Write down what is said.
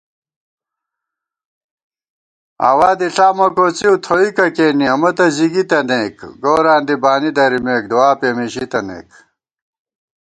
آوادِݪامہ کوڅِؤ تھوئیکہ کېنےامہ تہ زِگی تنَئیک * گوراں دی بانی درِمېک دُعاپېمېشی تنَئیک